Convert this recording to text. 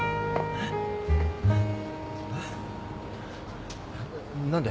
えっ？何で？